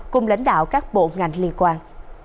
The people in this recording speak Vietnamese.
cùng lãnh đạo các bộ ngành liên quan